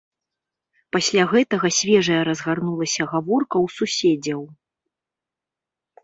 Пасля гэтага свежая разгарнулася гаворка ў суседзяў.